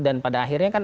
dan pada akhirnya